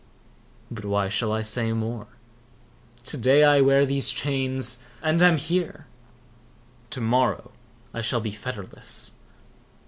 But why shall I say more? To day I wear these chains, and am here! To morrow I shall be fetterless!